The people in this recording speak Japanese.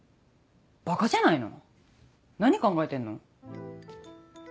バカじゃないの⁉何考えてんの？